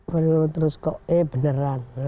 menurut terus kok eh beneran